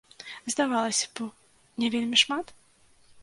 Здавалася б, не вельмі шмат?